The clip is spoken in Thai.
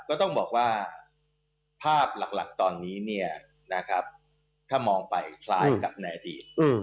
ก็ต้องบอกว่าภาพหลักตอนนี้ถ้ามองไปคล้ายกับในอดีต